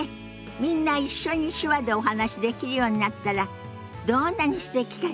みんな一緒に手話でお話しできるようになったらどんなにすてきかしら。